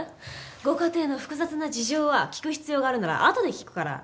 ご家庭の複雑な事情は聞く必要があるならあとで聞くから。